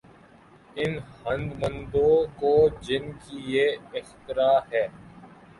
ان ہنرمندوں کو جن کی یہ اختراع ہے۔